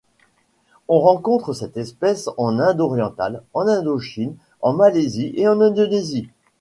On rencontre cette espèce en Inde orientale, en Indochine, en Malaisie et en Indonésie.